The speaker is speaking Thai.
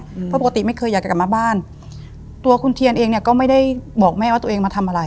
เพราะปกติไม่เคยอยากจะกลับมาบ้านตัวคุณเทียนเองเนี้ยก็ไม่ได้บอกแม่ว่าตัวเองมาทำอะไร